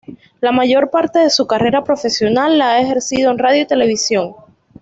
La mayor parte de su carrera profesional la ha ejercido en radio y televisión.